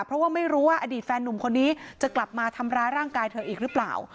เพราะว่าไม่รู้ว่าอดีตแฟนนุ่มคนนี้จะกลับมาทำร้ายร่างกายเธออีกหรือเปล่า